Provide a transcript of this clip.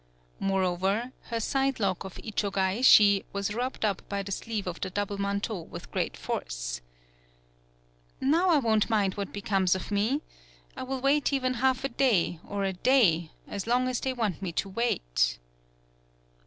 Moreover, her side lock of Ichogaeshi was rubbed up by the sleeve of the double manteau with great force. "Now I won't mind what becomes of me. I will wait even half a day, or a day, as long as they want me to wait."